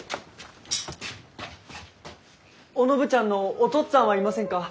お信ちゃんのおとっつぁんはいませんか？